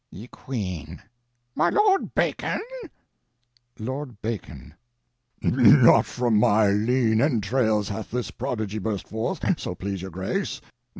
Ye Queene. My lord Bacon? Lord Bacon. Not from my leane entrailes hath this prodigy burst forth, so please your grace.